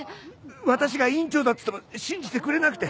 私が院長だっつっても信じてくれなくて。